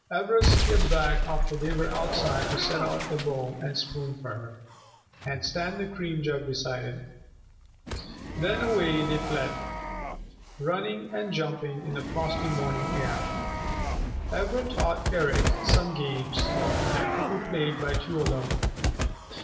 Ivra skipped back after they were outside to set out a bowl and spoon for her, and stand the cream jug beside them. Then away they fled, running and jumping in the frosty morning air. Ivra taught Eric some games that could be played by two alone.